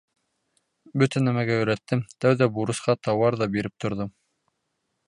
Бөтә нәмәгә өйрәттем, тәүҙә бурысҡа тауар ҙа биреп торҙом.